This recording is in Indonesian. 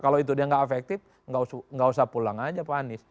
kalau itu dia nggak efektif nggak usah pulang aja pak anies